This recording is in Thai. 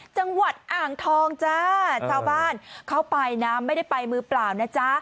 จังหวัดอ่างทองจ้าชาวบ้านเข้าไปนะไม่ได้ไปมือเปล่านะจ๊ะ